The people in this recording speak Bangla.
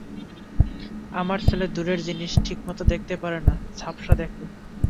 আমার ছেলে দূরের জিনিস ঠিকমত দেখতে পারে না, ঝাপ্সা দেখে।